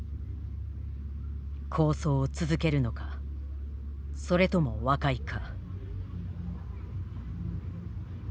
抗争を続けるのかそれとも和解か。